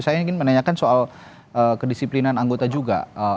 saya ingin menanyakan soal kedisiplinan anggota juga